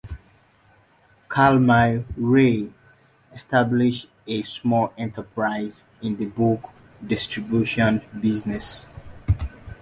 Calmy-Rey established a small enterprise in the book distribution business.